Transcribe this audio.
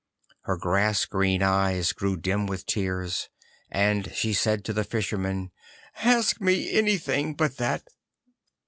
Her grass green eyes grew dim with tears, and she said to the Fisherman, 'Ask me anything but that!